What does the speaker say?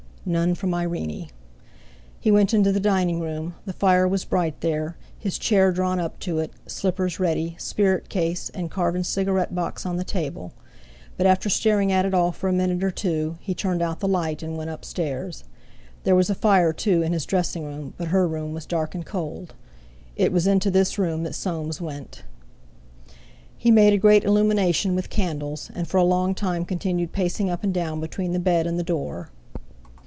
None from Irene! He went into the dining room; the fire was bright there, his chair drawn up to it, slippers ready, spirit case, and carven cigarette box on the table; but after staring at it all for a minute or two, he turned out the light and went upstairs. There was a fire too in his dressing room, but her room was dark and cold. It was into this room that Soames went. He made a great illumination with candles, and for a long time continued pacing up and down between the bed and the door.